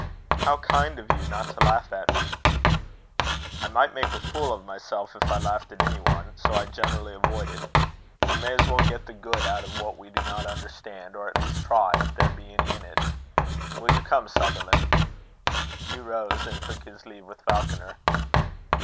"How kind of you not to laugh at me!" "I might make a fool of myself if I laughed at any one. So I generally avoid it. We may as well get the good out of what we do not understand or at least try if there be any in it. Will you come, Sutherland?" Hugh rose, and took his leave with Falconer.